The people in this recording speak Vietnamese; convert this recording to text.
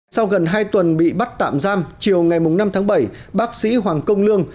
sau gần hai tuần bị bắt tạm giam chiều ngày năm tháng bảy bác sĩ hoàng công lương